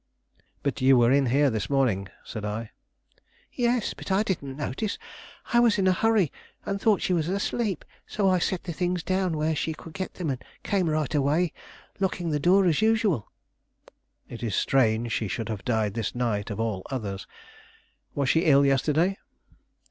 "But you were in here this morning?" said I. "Yes; but I didn't notice. I was in a hurry, and thought she was asleep; so I set the things down where she could get them and came right away, locking the door as usual." "It is strange she should have died this night of all others. Was she ill yesterday?"